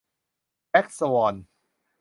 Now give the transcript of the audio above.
แบล็กสวอน